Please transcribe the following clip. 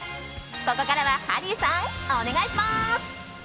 ここからはハリーさんお願いします。